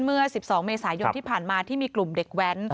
เมื่อ๑๒เมษายนที่ผ่านมาที่มีกลุ่มเด็กแว้น